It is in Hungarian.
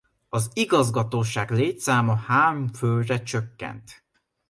Az igazgatóság létszáma három főre csökkent.